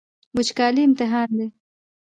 وچکالي امتحان دی.